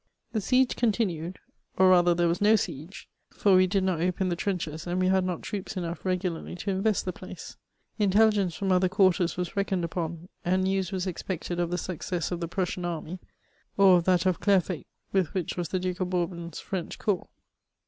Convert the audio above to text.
The siege continued, or rather there was no siege, for we ^d not open the trenches, and we had not troops enough regu larly to invest the place. Intelligence from other quarters was reckoned upon, and news was expected of the success of the Prussian army, or of that of Clairfayt, with which was the Duke of Bourbon's French corps.